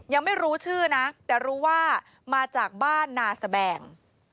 ยังไม่รู้ชื่อนะแต่รู้ว่ามาจากบ้านนาแสแบง